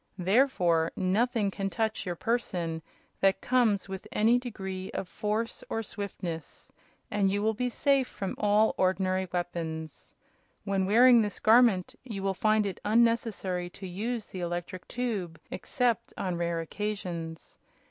Therefore nothing can touch your person that comes with any degree of force or swiftness, and you will be safe from all ordinary weapons. When wearing this Garment you will find it unnecessary to use the electric tube except on rare occasions.